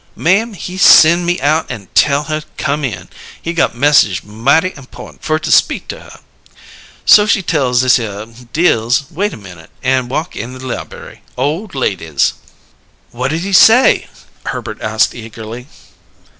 Ma'am, he sen' me out an' tell her come in, he got message mighty important fer to speak to her. So she tell thishere Dills wait a minute, an' walk in the liberry. Oh, ladies!" "What'd he say?" Herbert asked eagerly.